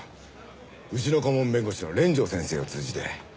うちの顧問弁護士の連城先生を通じて。